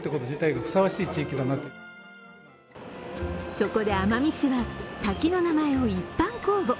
そこで奄美市は滝の名前を一般公募。